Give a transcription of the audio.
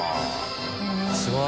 すごい。